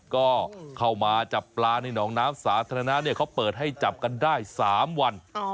ก็เข้ามาจับปลาในหนองน้ำสาธารณะเขาเปิดให้จับกันได้๓วัน